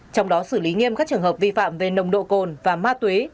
trong đó xử lý nghiêm các trường hợp vi phạm về nồng độ cồn và ma túy